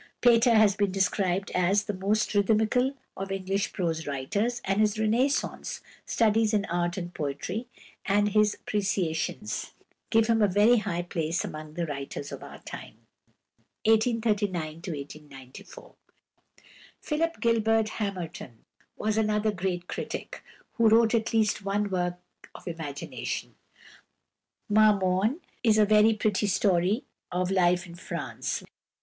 Pater has been described as "the most rhythmical of English prose writers," and his "Renaissance: Studies in Art and Poetry," and his "Appreciations" give him a very high place among the writers of our time. =Philip Gilbert Hamerton (1834 1894)= was another great critic, who wrote at least one work of imagination. "Marmorne" is a very pretty story of life in France.